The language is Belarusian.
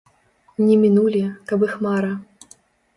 Не мінулі, каб іх мара.